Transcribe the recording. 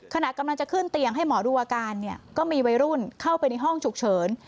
ขณะกำลังจะขึ้นเตียงให้หมอดูอาการเนี่ยก็มีวัยรุ่นเข้าไปในห้องฉุกเฉิน